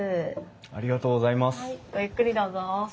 ありがとうございます。